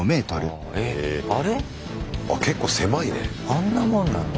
あんなもんなの？